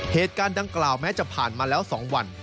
เหตุการณ์ดังกล่าวแม้จะผ่านมาแล้ว๒วัน